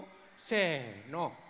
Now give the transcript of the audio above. せの。